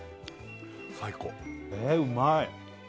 最高えうまい